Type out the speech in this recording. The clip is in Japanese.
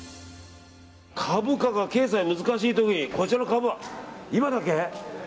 株価が、経済が難しい時にこちらのカブは、今だけ？